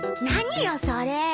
何よそれ。